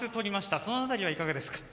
その辺りはどうですか？